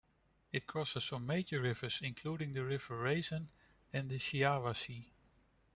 It crosses some major rivers, including the River Raisin and the Shiawassee.